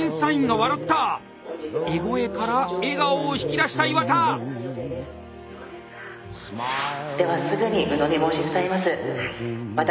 笑声から笑顔を引き出した岩田！ではすぐに宇野に申し伝えます。